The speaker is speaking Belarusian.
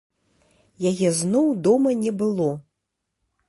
Яе зноў дома не было.